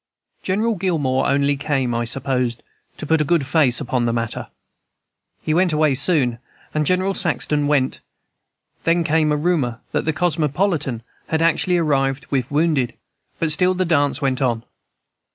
"General Gillmore only came, I supposed, to put a good face upon the matter. He went away soon, and General Saxton went; then came a rumor that the Cosmopolitan had actually arrived with wounded, but still the dance went on.